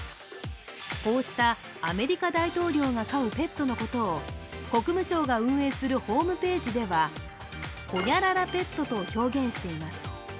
こうしたアメリカ大統領が飼うペットのことを国務省が運営するホームページでは、○○ペットと表現しています。